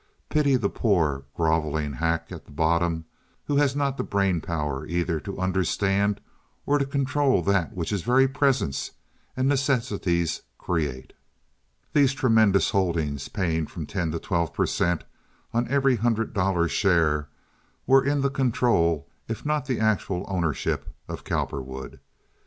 Pity the poor groveling hack at the bottom who has not the brain power either to understand or to control that which his very presence and necessities create. These tremendous holdings, paying from ten to twelve per cent. on every hundred dollar share, were in the control, if not in the actual ownership, of Cowperwood.